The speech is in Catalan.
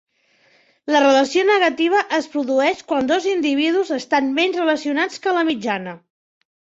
La relació negativa es produeix quan dos individus estan menys relacionats que la mitjana.